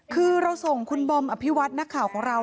คือเราส่งคุณบอมอภิวัตินักข่าวของเรา